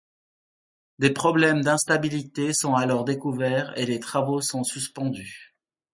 Des problèmes d'instabilités sont alors découverts et les travaux sont suspendus.